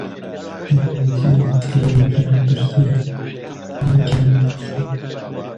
بە نووزەیەک لە یەکیانم پرسی: